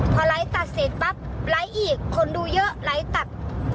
พอไลค์ตัดเสร็จปั๊บไลค์อีกคนดูเยอะไลค์ตัด